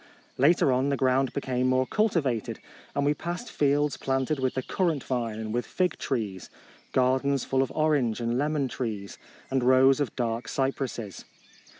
Later on the ground became more culti vated, and we passed fields planted with the currant vine and with fig trees, gardens full of orange and lemon trees, and rows of dark cypresses.